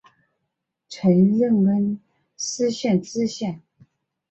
曾任恩施县知县。